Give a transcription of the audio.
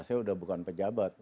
saya udah bukan pejabat